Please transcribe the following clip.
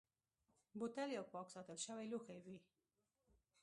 بوتل یو پاک ساتل شوی لوښی وي.